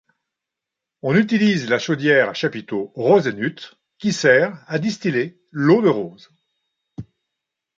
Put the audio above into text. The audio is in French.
On utilise la chaudière à chapiteau rosenhut qui sert à distiller l'eau de rose.